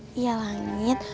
ya ya langit